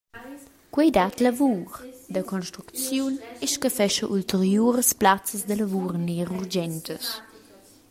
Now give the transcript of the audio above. Quei dat lavur da construcziun e scaffescha ulteriuras plazzas da lavur ner urgentas.